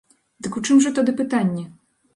Дык у чым жа тады пытанне?